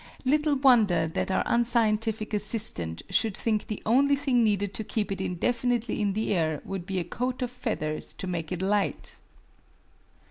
Little wonder that our unscientific assistant should think the only thing needed to keep it indefinitely in the air would be a coat of feathers to make it light!